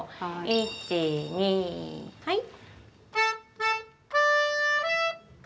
１、２、はい。